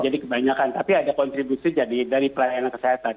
jadi kebanyakan tapi ada kontribusi dari pelayanan kesehatan